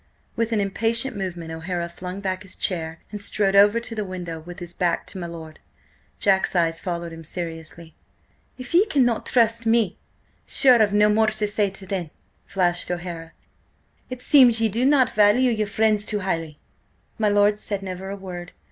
With an impatient movement O'Hara flung back his chair and strode over to the window with his back to my lord. Jack's eyes followed him seriously. "If ye cannot trust me, sure I've no more to say, thin!" flashed O'Hara. "It seems ye do not value your friends too highly!" My lord said never a word.